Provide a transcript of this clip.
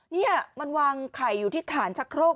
นี่มันวางไข่อยู่ที่ฐานชะโครก